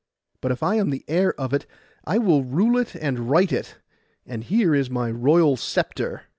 But if I am the heir of it, I will rule it and right it, and here is my royal sceptre.